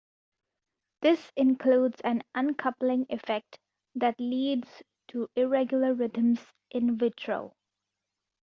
This includes an uncoupling effect that leads to irregular rhythms in vitro.